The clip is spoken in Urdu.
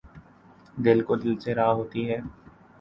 دِل کو دِل سے راہ ہوتی ہے